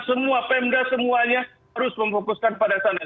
semua pemda semuanya harus memfokuskan pada sana